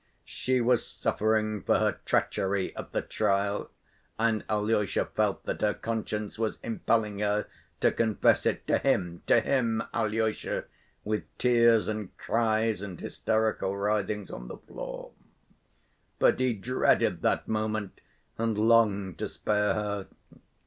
She was suffering for her "treachery" at the trial, and Alyosha felt that her conscience was impelling her to confess it to him, to him, Alyosha, with tears and cries and hysterical writhings on the floor. But he dreaded that moment and longed to spare her.